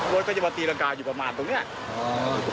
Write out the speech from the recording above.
รถเขาจะมาตีรังกาอยู่ประมาณตรงเนี้ย